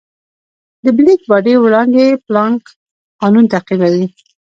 د بلیک باډي وړانګې پلانک قانون تعقیبوي.